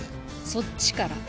そっちから。